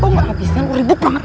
abis itu ribut banget